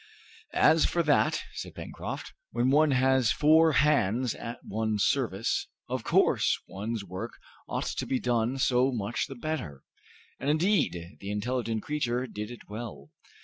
"As for that," said Pencroft, "when one has four hands at one's service, of course one's work ought to be done so much the better!" And indeed the intelligent creature did it well.